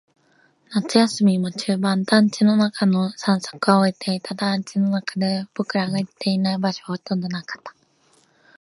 夏休みも中盤。団地の中の探索は終えていた。団地の中で僕らが行っていない場所はほとんどなかった。